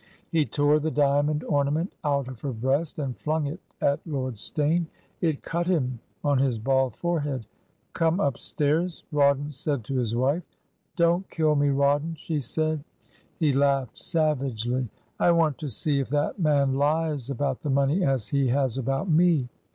He tore the diamond ornament out of her breast, and flung it at Lord Steyne. It cut him on his bald forehead. 'Come up stairs,' Rawdon said to his wife. 'Don't kill me, Rawdon,' she said. He laughed savagely. 'I want to see if that man lies about the money as he has about me.